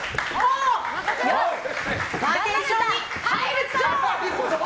パーティションに入るぞ！